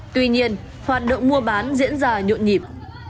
tuy nhiên hoạt động mua bán diễn ra nhộn nhịp